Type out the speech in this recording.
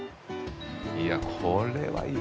いやこれはいい。